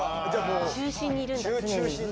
中心にいるんだ常に。